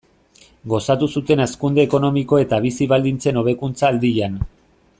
Gozatu zuten hazkunde ekonomiko eta bizi-baldintzen hobekuntza aldian.